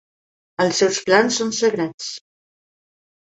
Els seus plans són sagrats.